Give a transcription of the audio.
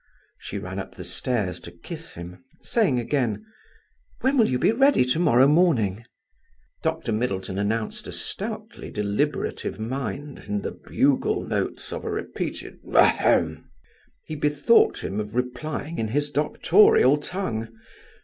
She ran up the stairs to kiss him, saying again: "When will you be ready to morrow morning?" Dr Middleton announced a stoutly deliberative mind in the bugle notes of a repeated ahem. He bethought him of replying in his doctorial tongue.